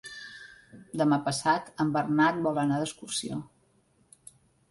Demà passat en Bernat vol anar d'excursió.